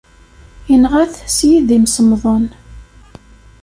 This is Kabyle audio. Inɣa-t s yidim semmḍen.